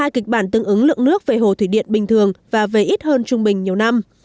hai kịch bản tương ứng lượng nước về hồ thủy điện bình thường và về ít hơn trung bình nhiều năm